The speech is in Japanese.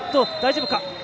大丈夫か。